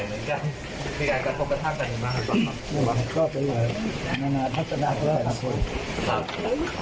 มีการกระทบกระทั่งกันอยู่มั้งครับ